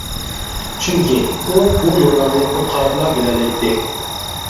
چۈنكى، ئۇ بۇ نۇرلارنى بىر قاراپلا بىلەلەيتتى.